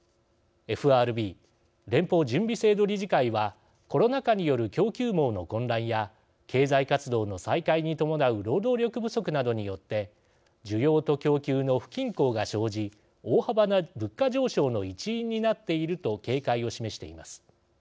ＦＲＢ＝連邦準備制度理事会はコロナ禍による供給網の混乱や経済活動の再開に伴う労働力不足などによって「需要と供給の不均衡が生じ大幅な物価上昇の一因になっている」と警戒を示しています。